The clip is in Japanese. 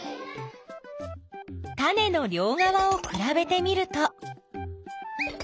タネのりょうがわをくらべてみると。